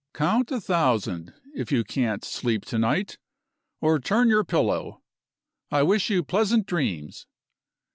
"Count a thousand, if you can't sleep to night, or turn your pillow. I wish you pleasant dreams."